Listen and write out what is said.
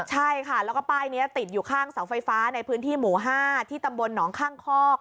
ใช่ค่ะแล้วก็ป้ายนี้ติดอยู่ข้างเสาไฟฟ้าในพื้นที่หมู่๕ที่ตำบลหนองข้างคอก